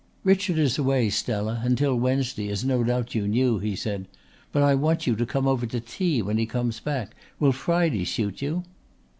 "Richard is away, Stella, until Wednesday, as no doubt you knew," he said. "But I want you to come over to tea when he comes back. Will Friday suit you?"